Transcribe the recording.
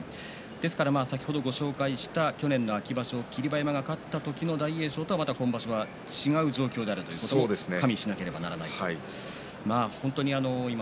先ほどご紹介した去年の秋場所、霧馬山が勝った時の大栄翔とはまた違う状況というのを加味しなければならないですね。